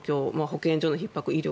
保健所のひっ迫、医療